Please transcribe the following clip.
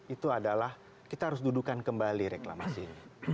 itu adalah kita harus dudukan kembali reklamasi ini